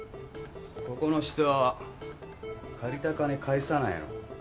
ここの人借りた金返さないの。